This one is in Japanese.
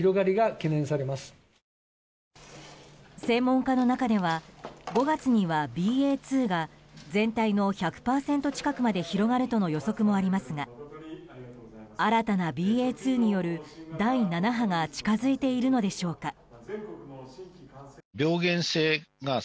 専門家の中では５月にはＢＡ．２が全体の１００％近くまで広がるとの予測もありますが新たなＢＡ．２による第７波が近づいているのでしょうか。